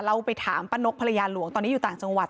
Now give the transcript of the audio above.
เราไปถามป้านกภรรยาหลวงตอนนี้อยู่ต่างจังหวัด